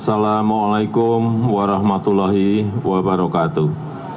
assalamu'alaikum warahmatullahi wabarakatuh